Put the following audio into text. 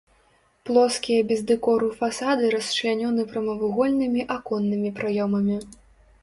Плоскія без дэкору фасады расчлянёны прамавугольнымі аконнымі праёмамі.